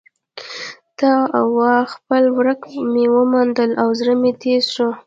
ته وا خپله ورکه مې وموندله او زړه مې تیز شو.